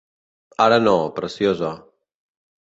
Ara no, preciosa.